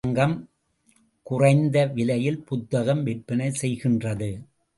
அரசாங்கம் குறைந்த விலையில் புத்தகம் விற்பனை செய்கின்றது.